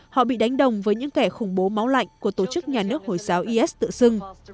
họ bị đánh đồng với những kẻ khủng bố máu lạnh của tổ chức nhà nước hồi giáo is tự xưng